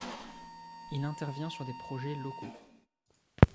Il intervient sur des projets locaux.